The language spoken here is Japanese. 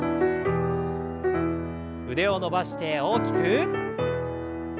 腕を伸ばして大きく。